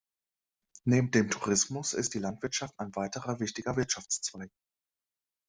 Neben dem Tourismus ist die Landwirtschaft ein weiterer wichtiger Wirtschaftszweig.